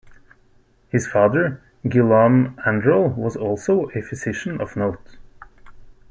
His father, Guillaume Andral, was also a physician of note.